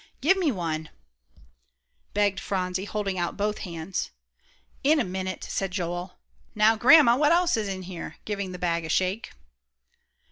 "Give me one," begged Phronsie, holding out both hands. "In a minute," said Joel. "Now, Grandma, what else is in here?" giving the bag a shake.